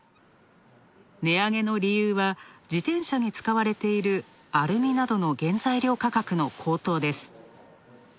値上げの理由は、自転車に使われているアルミなどの原材料価格の高騰です。